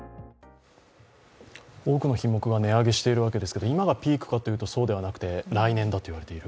多くの品目が値上げしているわけですけれども、今がピークかというと、そうではなくて来年だといわれている。